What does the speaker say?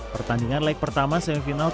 pertandingan lag pertama semifinal indonesia